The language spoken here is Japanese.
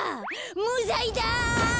むざいだ！